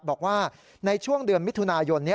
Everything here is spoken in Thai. บอกว่าในช่วงเดือนมิถุนายน